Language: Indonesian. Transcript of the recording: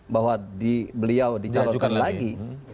bahwa beliau dicarokan lagi